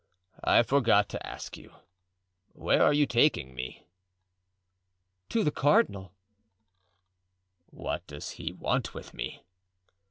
I forgot to ask you—where are you taking me?" "To the cardinal." "What does he want with me?"